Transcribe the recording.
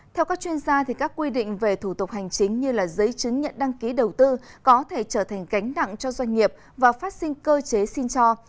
theo các chuyên gia các quy định về thủ tục hành chính như giấy chứng nhận đăng ký đầu tư có thể trở thành cánh nặng cho doanh nghiệp và phát sinh cơ chế xin cho